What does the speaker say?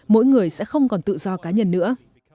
mỗi người sẽ không còn tự do cá nhân nữa